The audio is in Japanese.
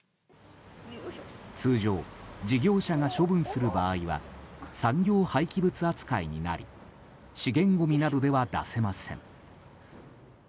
通常、事業者が処分する場合は産業廃棄物扱いになり資源ごみなどでは出せません。